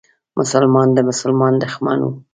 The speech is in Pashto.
مسلمان د مسلمان دښمن و.